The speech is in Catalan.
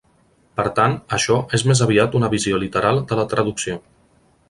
Per tant, això és més aviat una visió literal de la traducció.